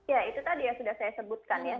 ya itu tadi yang sudah saya sebutkan ya